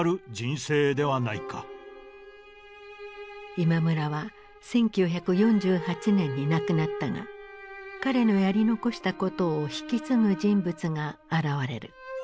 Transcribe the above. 今村は１９４８年に亡くなったが彼のやり残したことを引き継ぐ人物が現れる。